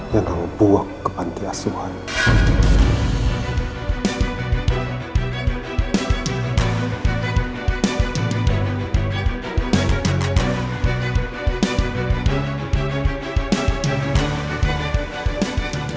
yang nanggu buah ke bantai asuhan